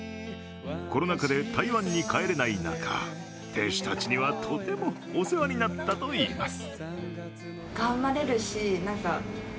コロナ禍で台湾に帰れない中店主たちにはとてもお世話になったといいます。